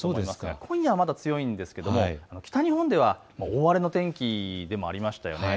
今夜はまだ強いんですが北日本では大荒れの天気でもありましたよね。